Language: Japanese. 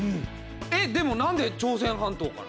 えっでもなんで朝鮮半島から？